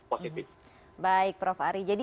positif baik prof ari jadi